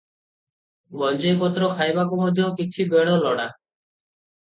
ଗଞ୍ଜେଇ ପତ୍ର ଖାଇବାକୁ ମଧ୍ୟ କିଛି ବେଳ ଲୋଡ଼ା ।